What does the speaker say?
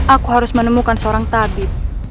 aku harus menemukan seorang tabib